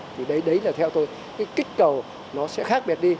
thì đấy là theo tôi cái kích cầu nó sẽ khác biệt đi